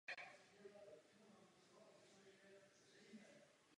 Byl zpočátku zvolen místopředsedou sněmu.